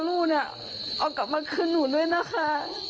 คนที่อาวุ่นเนี่ยออกกำลังขึ้นหนูด้วยนะคะ